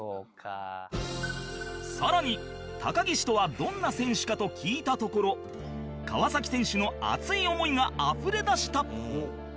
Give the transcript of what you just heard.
さらに高岸とはどんな選手かと聞いたところ川選手の熱い思いがあふれ出した